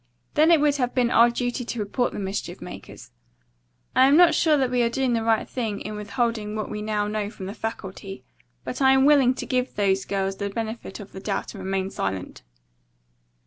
Then it would have been our duty to report the mischief makers. I am not sure that we are doing right in withholding what we now know from the faculty, but I am willing to give these girls the benefit of the doubt and remain silent."